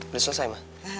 udah selesai ma